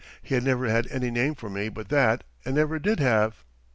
He had never had any name for me but that and never did have.